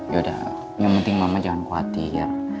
ya udah yang penting mama jangan khawatir